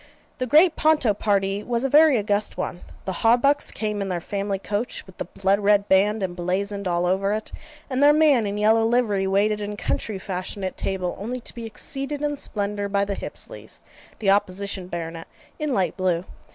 The great Ponto party was a very august one. The Hawbucks came in their family coach, with the blood red band emblazoned all over it: and their man in yellow livery waited in country fashion at table, only to be exceeded in splendour by the Hipsleys, the opposition baronet, in light blue.